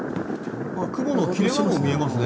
雲の切れ間も見えますね。